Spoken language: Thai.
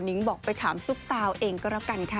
ิ้งบอกไปถามซุปตาเองก็แล้วกันค่ะ